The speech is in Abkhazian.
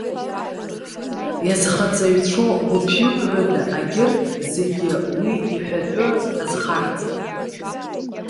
Иазхаҵаҩцәоу гәыԥҩык рыда агьырҭ зегьы, уи иҳәатәы азхарҵеит.